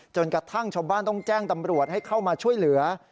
จนกระทั่งชาวบ้านต้องแจ้งตำรวจให้เข้ามาช่วยเหลือ